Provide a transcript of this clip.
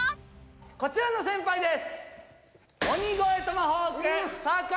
こちらの先輩です！